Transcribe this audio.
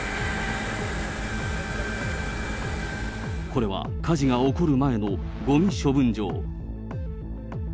これは火事が起こる前のごみ処分場。